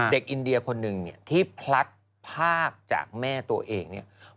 เด็กอินเดียคนหนึ่งที่พลัดภาคจากแม่ตัวเอง